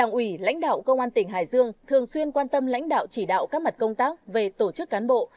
ủy lãnh đạo công an tỉnh hải dương thường xuyên quan tâm lãnh đạo chỉ đạo các mặt công tác về tổ chức cán bộ